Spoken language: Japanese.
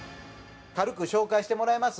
軽く紹介してもらえます？